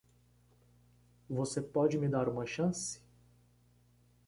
Você pode me dar uma chance?